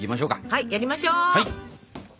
はいやりましょう！